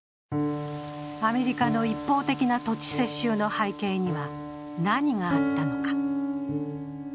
アメリカの一方的な土地接収の背景には、何があったのか。